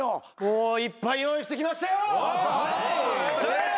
いっぱい用意してきましたよ！